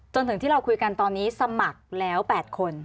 จนถึงที่เราคุยกันตอนนี้สมัครแล้ว๘คน